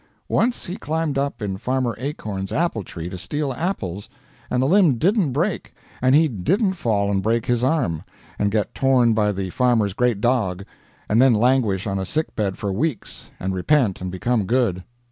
Once he climbed up in Farmer Acorn's apple tree to steal apples, and the limb didn't break, and he didn't fall and break his arm, and get torn by the farmer's great dog, and then languish on a sickbed for weeks, and repent and become good.